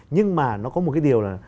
nhưng mà nó có một cái điều là